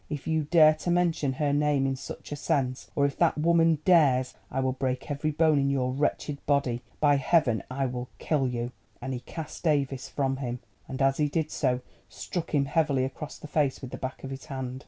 If you dare to mention her name in such a sense, or if that woman dares, I will break every bone in your wretched body—by Heaven I will kill you!" and he cast Davies from him, and as he did so, struck him heavily across the face with the back of his hand.